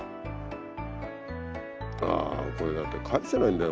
ああこれだと返せないんだよ